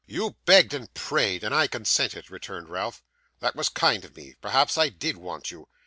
'You begged and prayed, and I consented,' returned Ralph. 'That was kind of me. Perhaps I did want you.